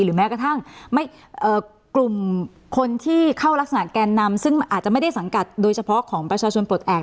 แม้กระทั่งกลุ่มคนที่เข้ารักษณะแกนนำซึ่งอาจจะไม่ได้สังกัดโดยเฉพาะของประชาชนปลดแอบ